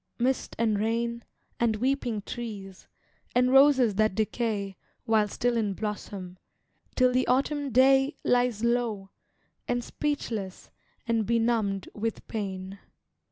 mist and rain, And weeping trees, and roses that decay While still in blossom, till the autumn day Lies low, and speechless, and benumbed with pain.